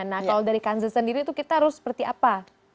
nah kalau dari kanza sendiri itu kita harus seperti apa